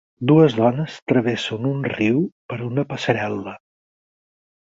Dues dones travessen un riu per una passarel·la.